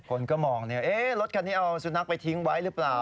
คนก็มองรถคันนี้เอาสุนัขไปทิ้งไว้หรือเปล่า